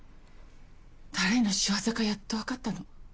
誰の仕業かやっと分かったの。